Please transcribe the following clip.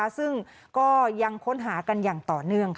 ซึ่งก็ยังค้นหากันอย่างต่อเนื่อง